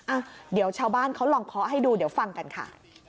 อ่ะเดี๋ยวชาวบ้านเขาลองเคาะให้ดูเดี๋ยวฟังกันค่ะ